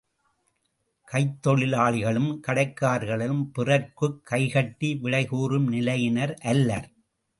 கைத்தொழிலாளிகளும் கடைக்காரர்களும் பிறர்க்குக் கைகட்டி விடைகூறும் நிலையினர் அல்லர்.